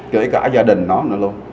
kể cả gia đình nó nữa luôn